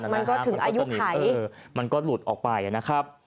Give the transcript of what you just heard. มันก็ถึงอายุไขมันก็หลุดออกไปอะนะครับ